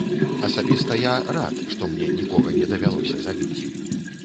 Асабіста я рад, што мне нікога не давялося забіць.